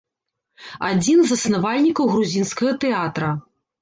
Адзін з заснавальнікаў грузінскага тэатра.